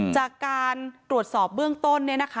จากการตรวจสอบเบื้องต้น